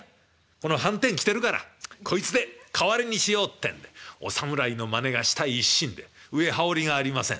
このはんてん着てるからこいつで代わりにしよう」ってんでお侍のまねがしたい一心で上羽織がありません。